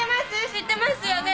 知ってますよね？